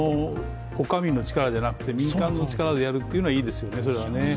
お上の力じゃなくて、民間の力でやるというのはいいですよね。